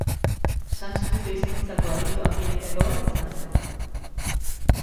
Sanskrito hizkuntzako aditu handienetako bat izan zen.